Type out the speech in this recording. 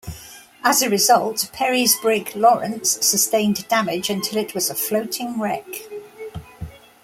As a result, Perry's brig, "Lawrence" sustained damage until it was a floating wreck.